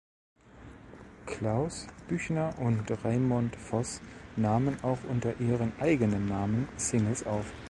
Klaus Büchner und Raymond Voß nahmen auch unter ihren eigenen Namen Singles auf.